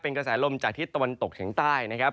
เป็นกระแสลมจากที่ตะวันตกแห่งใต้นะครับ